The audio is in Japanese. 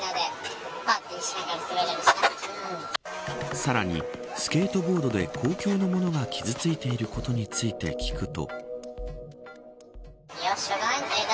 さらにスケートボードで公共のものが傷ついていることについて聞くと。